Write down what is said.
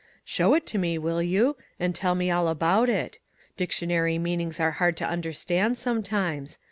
" Show it to me, will you ? and tell me all about it. Dictionary meanings are hard to understand, sometimes.